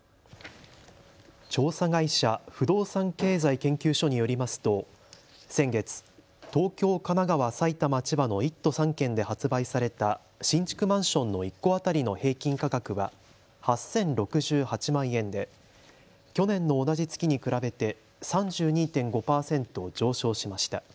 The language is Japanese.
調査会社、不動産経済研究所によりますと先月、東京、神奈川、埼玉、千葉の１都３県で発売された新築マンションの１戸当たりの平均価格は８０６８万円で去年の同じ月に比べて３２．５％上昇しました。